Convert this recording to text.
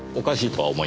はい？